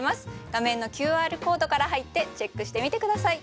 画面のＱＲコードから入ってチェックしてみて下さい。